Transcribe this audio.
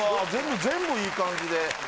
全部全部いい感じで。